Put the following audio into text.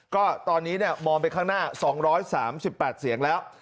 ก็ตอนนี้มองไปข้างหน้า๒๓๘เสียงแล้ว